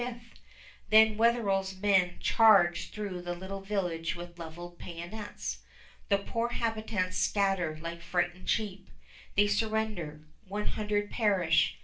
Then Wetherell's men charge through the village with leveled bayonets. The poor habitants scatter like frightened sheep; they surrender; one hundred perish.